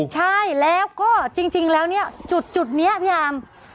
ใช่แล้วก็จริงแล้วเนี่ยจุดนี้พี่อาร์ม